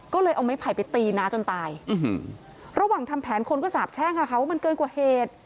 ก็เลยเอาไม้ไผ่ไปตีน้าจนตายระหว่างทำแผนคนก็สาบแช่งค่ะว่ามันเกินกว่าเหตุ